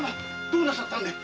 どうなさったので。